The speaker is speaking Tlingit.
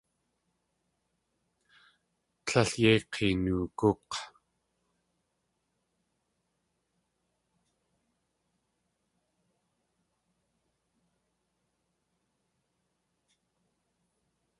Líl yéi k̲eenoogúk̲!